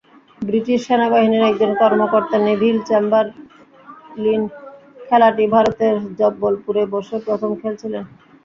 British সেনাবাহিনীর একজন কর্মকর্তা, নেভিল চেম্বারলিন, খেলাটি ভারতের জব্বলপুরে বসে প্রথম খেলেছিলেন।